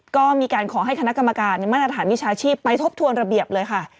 ก็มีการขอให้คณะกรรมการมาตรฐานวิชาชีพไปทบทวนระเบียบเลยค่ะ